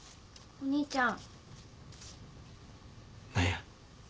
お兄ちゃん。